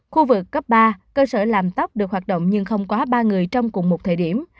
khu vực cấp ba cơ sở làm tóc được hoạt động nhưng không quá ba người trong cùng một thời điểm